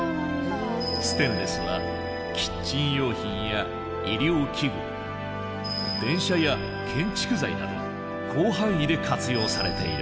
ステンレスはキッチン用品や医療器具電車や建築材など広範囲で活用されている。